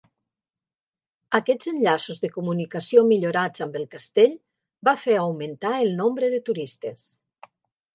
Aquests enllaços de comunicació millorats amb el castell va fer augmentar el nombre de turistes.